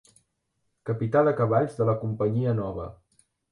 Capità de cavalls de la companyia nova.